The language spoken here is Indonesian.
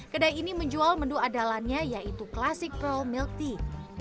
kedai ini menjual menu andalannya yaitu klasik pro milk tea